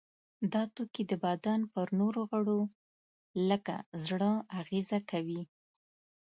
دا توکي د بدن پر نورو مهمو غړو لکه زړه اغیزه کوي.